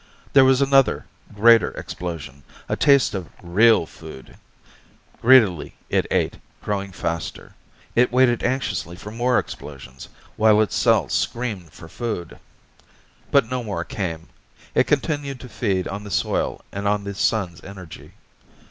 There was another, greater explosion, a taste of real food! Greedily it ate, growing faster. It waited anxiously for more explosions, while its cells screamed for food. But no more came. It continued to feed on the soil and on the Sun's energy.